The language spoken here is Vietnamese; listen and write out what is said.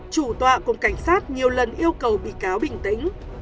chủ tọa cùng cảnh sát nhiều lần yêu cầu bị cáo bình tĩnh